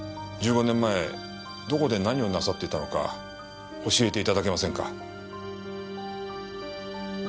１５年前どこで何をなさっていたのか教えて頂けませんか？